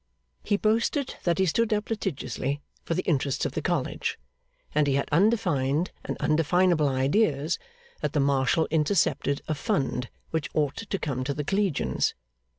He boasted that he stood up litigiously for the interests of the college; and he had undefined and undefinable ideas that the marshal intercepted a 'Fund,' which ought to come to the collegians.